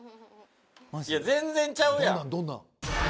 いや全然ちゃうやん。